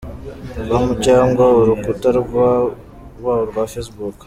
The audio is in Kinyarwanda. com cyangwa urukuta rwabo rwa facebook: .